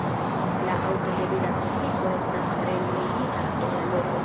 La aŭtomobila trafiko estas tre limigita en la loko.